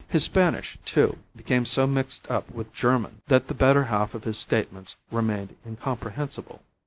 His Spanish, too, became so mixed up with German that the better half of his statements remained incomprehensible.